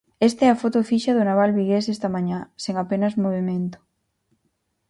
Esta é a foto fixa do naval vigués esta mañá, sen apenas movemento.